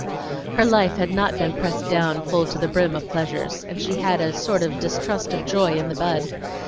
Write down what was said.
Her life had not been pressed down full to the brim of pleasures, and she had a sort of distrust of joy in the bud.